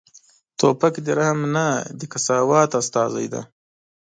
توپک د رحم نه، د قساوت استازی دی.